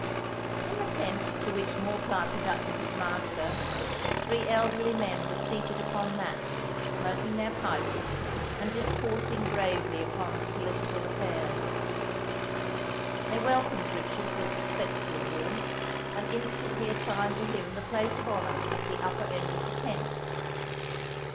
In the tent to which Morcar conducted his master, three elderly men were seated upon mats, smoking their pipes, and discoursing gravely upon political affairs. They welcomed Richard with respectful warmth, and instantly assigned to him the place of honour at the upper end of the tent.